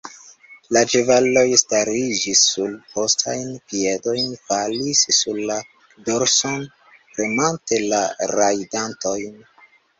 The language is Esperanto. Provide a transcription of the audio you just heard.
La ĉevaloj stariĝis sur postajn piedojn, falis sur la dorson, premante la rajdantojn.